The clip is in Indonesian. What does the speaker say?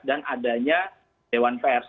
dan adanya dewan pers